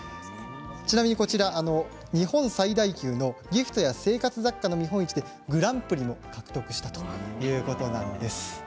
ちなみにこちら日本最大級のギフトや生活雑貨の見本市でグランプリを獲得したということです。